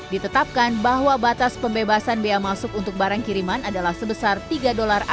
ditetapkan bahwa batas pembebasan bea masuk untuk barang kiriman adalah sebesar tiga dolar as